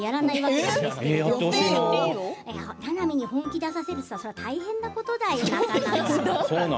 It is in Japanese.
ななみに本気出させるのは大変なことだよ。